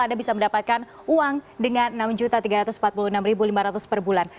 anda bisa mendapatkan uang dengan rp enam tiga ratus empat puluh enam lima ratus per bulan